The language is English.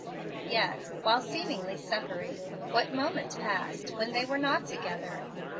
Yet, while seemingly separated, what moment passed when they were not together?